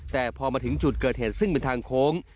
แต่พอมาถึงจุดเกิดเหตุซึ่งเป็นทางโค้ง